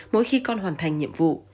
mỗi khi con hoàn thành nhiệm vụ